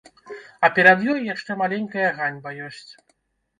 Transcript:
А перад ёй яшчэ маленькая ганьба ёсць.